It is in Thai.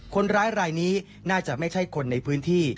คนร้ายรายนี้น่าจะไม่ใช่คนในพื้นที่